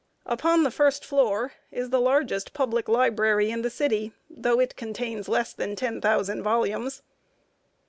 Upon the first floor is the largest public library in the city, though it contains less than ten thousand volumes.